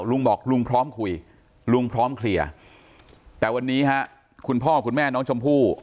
ลุงบอกลุงพร้อมคุยลุงพร้อมเคลียร์แต่วันนี้ฮะคุณพ่อคุณแม่น้องชมพู่